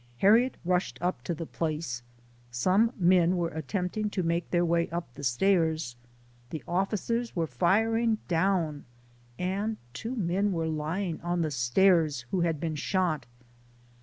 Harriet rushed up to the place. Some men were attempting to make their way up the stairs. The officers were firing dow T n, and two men were lying on the stairs, who had been shot.